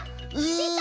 した！